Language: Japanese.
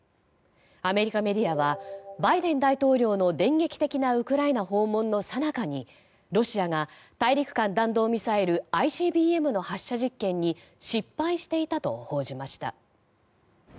アメリカメディアはバイデン大統領の電撃的なウクライナ訪問のさなかにロシアが大陸間弾道ミサイル・ＩＣＢＭの発射実験に失敗していたと報じました。